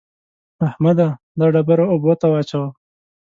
احمده! دا ډبره اوبو ته واچوه.